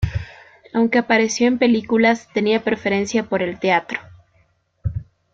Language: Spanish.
Aunque apareció en películas tenía preferencia por el teatro.